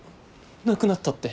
亡くなったって。